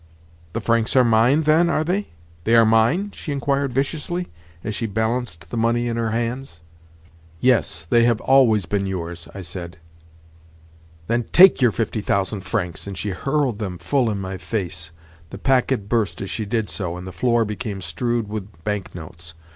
"The francs are mine, then, are they? They are mine?" she inquired viciously as she balanced the money in her hands. "Yes; they have always been yours," I said. "Then take your fifty thousand francs!" and she hurled them full in my face. The packet burst as she did so, and the floor became strewed with bank notes.